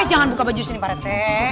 eh jangan buka baju sini pak rt